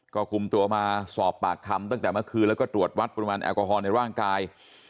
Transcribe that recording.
ก็คุมตัวมาสอบปากคำตั้งแต่เมื่อคืนแล้วก็ตรวจวัดปริมาณแอลกอฮอลในร่างกาย